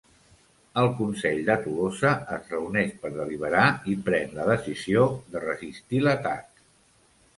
El consell de Tolosa es reuneix per deliberar i pren la decisió de resistir l'atac.